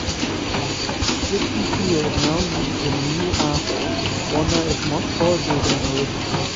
Citi Field now uses a new apple, one that is much larger than original.